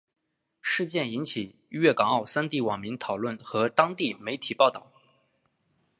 事件引起粤港澳三地网民讨论和当地媒体报导。